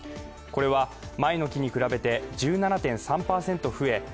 これは前の期に比べて１７．３％増え